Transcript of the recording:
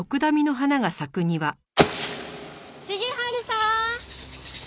重治さん！